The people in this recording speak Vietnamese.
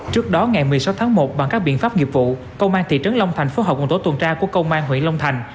trước đó ngày một mươi sáu tháng một bằng các biện pháp nghiệp vụ công an thị trấn long thành phối hợp cùng tổ tuần tra của công an huyện long thành